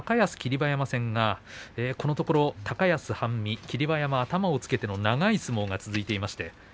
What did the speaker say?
馬山戦このところ高安、半身霧馬山、頭をつけての長い相撲が続いています。